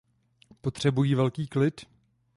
Potřebují velký klid.